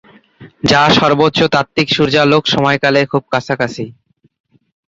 যা সর্বোচ্চ তাত্ত্বিক সূর্যালোক সময়কালের খুব কাছাকাছি।